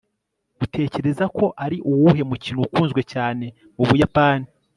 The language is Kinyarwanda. utekereza ko ari uwuhe mukino ukunzwe cyane mu buyapani